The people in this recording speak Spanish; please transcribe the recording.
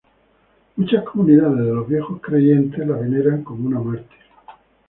Muchas comunidades de los viejos creyentes la veneran como una mártir.